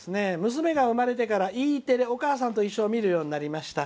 「娘が生まれてからＥテレ「おかあさんといっしょ」を見るようになりました。